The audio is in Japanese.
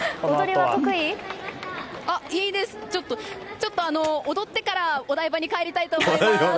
ちょっと踊ってからお台場に帰りたいと思います。